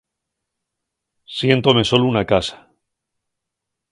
Siéntome solu na casa.